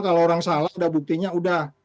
kalau orang salah udah buktinya udah